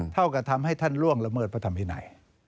เท่ากับทำให้ท่านล่วงละเมิดพระธรรมวินัย